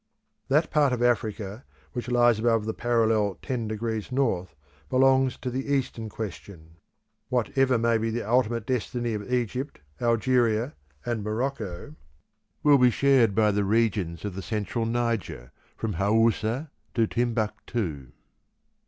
That part of Africa which lies above the parallel 10° North belongs to the Eastern Question. What ever may be the ultimate destiny of Egypt, Algeria, and Morocco, will be shared by the regions of the central Niger, from Haussa to Timbuctoo.